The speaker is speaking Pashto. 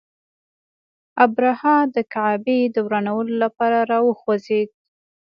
ابرهه د کعبې د ورانولو لپاره را وخوځېد.